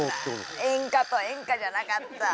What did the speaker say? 演歌と演歌じゃなかった。